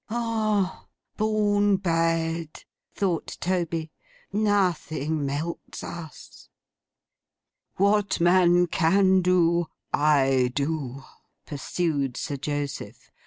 'Ah! Born bad!' thought Toby. 'Nothing melts us.' 'What man can do, I do,' pursued Sir Joseph.